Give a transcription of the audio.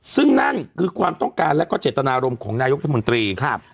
ซึ่งนั่นคือความต้องการและก็เจตนารมณ์ของนายกรัฐมนตรีครับ